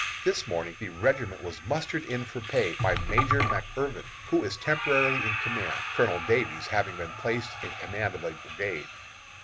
This morning the regiment was mustered in for pay by Major McIrvin, who is temporarily in command, Colonel Davies having been placed in command of a brigade.